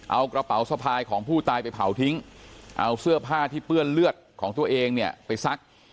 เอากระเป๋าสะพายของผู้ตายไปเผาทิ้งเอาเสื้อผ้าที่เปื้อนเลือดของตัวเองเนี่ยไปซัก